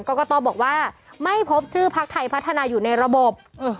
กรกตบอกว่าไม่พบชื่อพักไทยพัฒนาอยู่ในระบบ